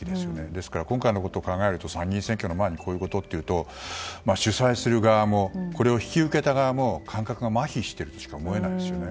ですから今回のことを考えると参議院選挙の前にこういうことというと主催する側もこれを引き受けた側も感覚がまひしているとしか思えないです。